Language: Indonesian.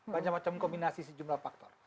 macam macam kombinasi sejumlah faktor